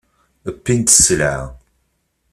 Wwin-d sselɛa.